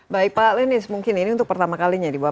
baik pak lenis mungkin ini untuk pertama kalinya